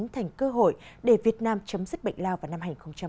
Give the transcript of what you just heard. thành cơ hội để việt nam chấm dứt bệnh lao vào năm hai nghìn ba mươi